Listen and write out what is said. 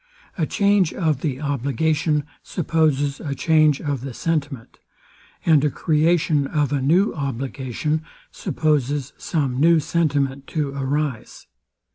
A change of the obligation supposes a change of the sentiment; and a creation of a new obligation supposes some new sentiment to arise.